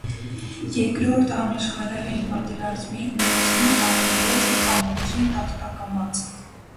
Երկրորդ համաշխարհային պատերազմի ընթացքում ավերվեց կամրջի տախտակամածը։